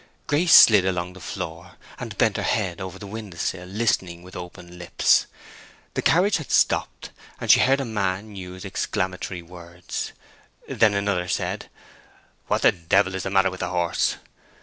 Grace slid along the floor, and bent her head over the window sill, listening with open lips. The carriage had stopped, and she heard a man use exclamatory words. Then another said, "What the devil is the matter with the horse?"